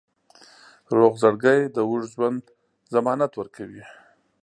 روغ زړګی د اوږد ژوند ضمانت ورکوي.